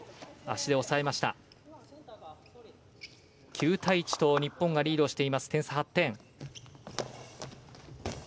９対１と日本がリードしています点差、８点。